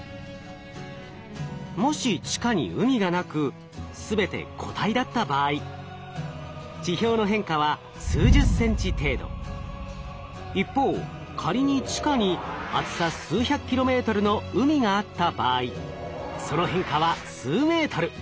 もし地下に海がなく全て固体だった場合一方仮に地下に厚さ数百ｋｍの海があった場合その変化は数ｍ。